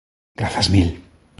Grazas mil.